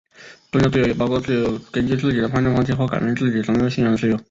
宗教自由也包括根据自己的判断放弃或改变自己的宗教信仰的自由。